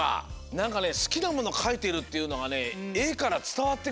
なんかねすきなものかいてるっていうのがねえからつたわってくる。